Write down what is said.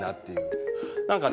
何かね